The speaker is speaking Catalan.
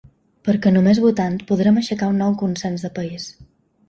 Perquè només votant podrem aixecar un nou consens de país.